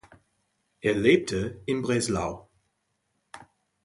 Er lebte in Breslau.